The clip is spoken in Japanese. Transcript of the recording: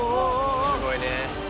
すごいね。